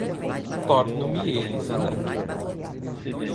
Torno-me eles e não eu.